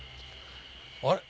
あれ？